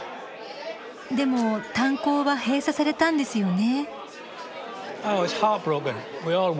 でも炭鉱は閉鎖されたんですよね。